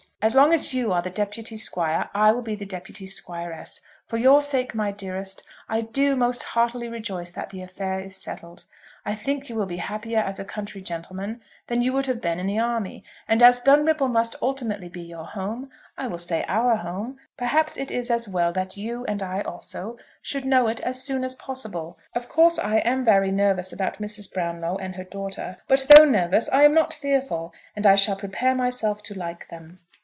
As long as you are the deputy Squire, I will be the deputy Squiress. For your sake, my dearest, I do most heartily rejoice that the affair is settled. I think you will be happier as a county gentleman than you would have been in the army; and as Dunripple must ultimately be your home, I will say our home, perhaps it is as well that you, and I also, should know it as soon as possible. Of course I am very nervous about Mrs. Brownlow and her daughter; but though nervous I am not fearful; and I shall prepare myself to like them.